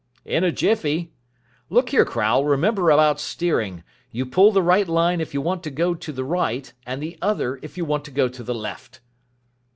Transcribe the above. "In a jiffy. Look here, Crowle, remember about steering. You pull the right line if you want to go to the right and the other if you want to go to the left."